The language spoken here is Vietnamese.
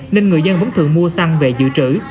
nên người dân vẫn thường mua xăng về dự trữ